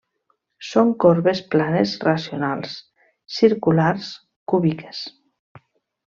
Són corbes planes racionals, circulars, cúbiques.